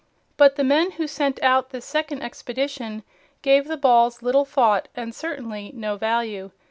But the men who sent out this second expedition gave the balls little thought and certainly no value.